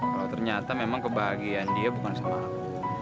kalau ternyata memang kebahagiaan dia bukan sama aku